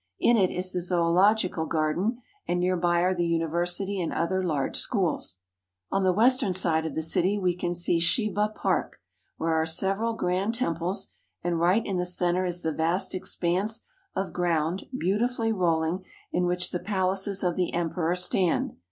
In it is the zoological garden, and near by are the University and other large schools. On the western side of the city we can see Shiba Park, where are several grand temples, and right in the center is the vast expanse of ground, beautifully rolling, in which the palaces of the Emperor stand.